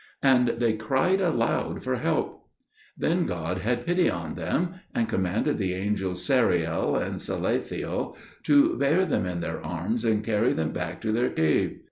And they cried aloud for help. Then God had pity on them, and commanded the angels Sariel and Salathiel to bear them in their arms and carry them back to their cave.